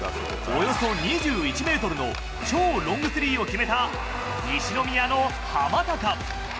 およそ２１メートルの超ロングスリーを決めた、西宮の浜高。